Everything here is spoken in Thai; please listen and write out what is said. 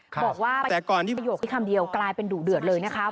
บอกว่าประโยชน์ทีขอีกคำเดียวกลายเป็นดุเดือดเลยนะคะ